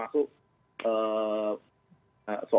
dari sana kita akan masuk